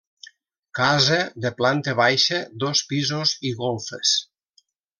Casa de planta baixa, dos pisos i golfes.